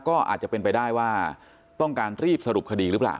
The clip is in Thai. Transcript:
ก็อาจจะเป็นไปได้ว่าต้องการรีบสรุปคดีหรือเปล่า